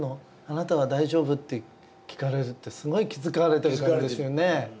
あなたは大丈夫？」って聞かれるってすごい気遣われてる感じですよね。